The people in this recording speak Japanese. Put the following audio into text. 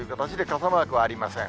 傘マークはありません。